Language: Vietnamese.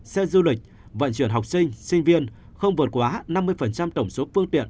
xe du lịch vận chuyển học sinh sinh viên không vượt quá năm mươi tổng số phương tiện